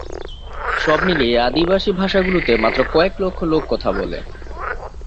সব মিলিয়ে আদিবাসী ভাষাগুলিতে মাত্র কয়েক লক্ষ লোক কথা বলে।